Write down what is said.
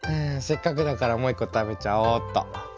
せっかくだからもう一個食べちゃおうっと。